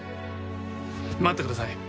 待ってください。